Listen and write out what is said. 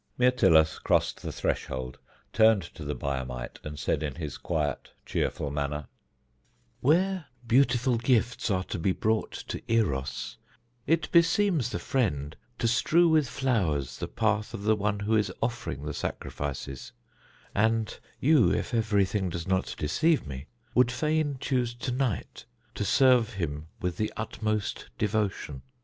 Myrtilus crossed the threshold, turned to the Biamite, and said in his quiet, cheerful manner: "Where beautiful gifts are to be brought to Eros, it beseems the friend to strew with flowers the path of the one who is offering the sacrifices; and you, if everything does not deceive me, would fain choose to night to serve him with the utmost devotion.